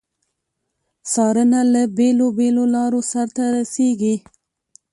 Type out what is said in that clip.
څارنه له بیلو بېلو لارو سرته رسیږي.